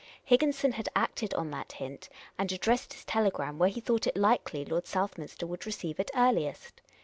Higginson had acted on that hint, and addressed his telegram where he thought it likely Lord Southminster would receive it earliest.